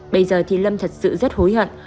bây giờ thì lâm thật sự rất hối hận